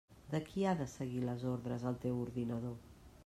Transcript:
De qui ha de seguir les ordres el teu ordinador?